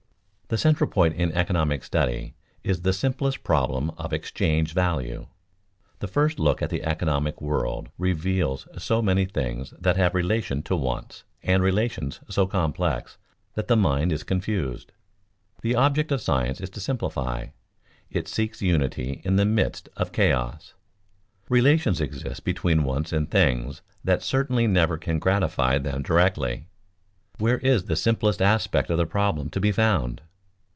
The central point in economic study is the simplest problem of exchange value._ The first look at the economic world reveals so many things that have relation to wants, and relations so complex, that the mind is confused. The object of science is to simplify; it seeks unity in the midst of chaos. Relations exist between wants and things that certainly never can gratify them directly. Where is the simplest aspect of the problem to be found?